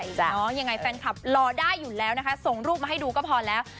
ยังไงแฟนคลับรอได้อยู่แล้วนะคะส่งรูปมาให้ดูก็พอแล้ว